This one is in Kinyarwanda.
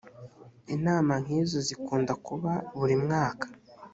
inama nkizo zikunda kuba burimwaka.